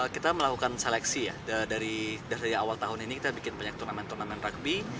kita melakukan seleksi ya dari awal tahun ini kita bikin banyak turnamen turnamen rugby